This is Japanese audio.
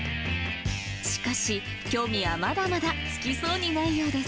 しかし、興味はまだまだ尽きそうにないようです。